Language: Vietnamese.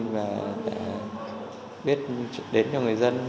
để biết đến cho người dân